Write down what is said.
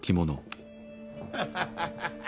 ハハハハハ。